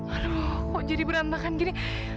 aduh kok jadi berantakan gini